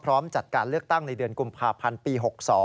พร้อมจัดการเลือกตั้งในเดือนกุมภาพันธ์ปี๖๒